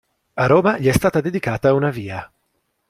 A Roma gli è stata dedicata una via.